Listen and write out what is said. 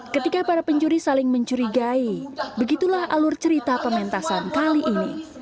ketika para pencuri saling mencurigai begitulah alur cerita pementasan kali ini